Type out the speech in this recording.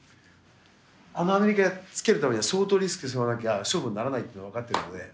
あのアメリカやっつけるためには相当リスク背負わなきゃ勝負にならないっていうのは分かってるので。